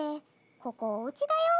ここおうちだよ？